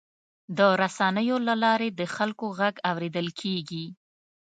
د رسنیو له لارې د خلکو غږ اورېدل کېږي.